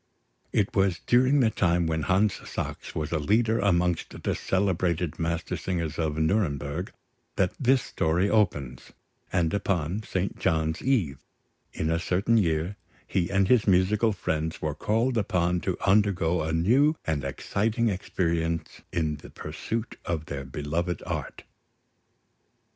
It was during the time when Hans Sachs was a leader amongst the celebrated Mastersingers of Nuremberg, that this story opens; and upon St. John's Eve in a certain year, he and his musical friends were called upon to undergo a new and exciting experience in the pursuit of their beloved art.